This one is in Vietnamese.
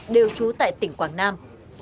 đều trú tại tỉnh quảng nam